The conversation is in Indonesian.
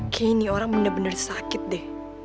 kayaknya ini orang bener bener sakit deh